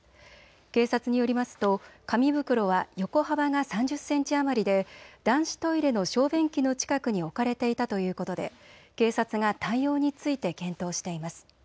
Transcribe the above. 警察によりますと、紙袋は横幅が３０センチ余りで男子トイレの小便器の近くに置かれていたということで警察が対応について検討しています。